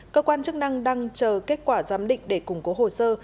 cơ quan chức năng đang chờ kết quả giám định để củng cố hồ sơ